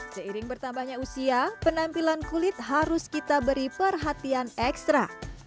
seiring bertambahnya usia penampilan kulit harus kita beri perhatian ekstra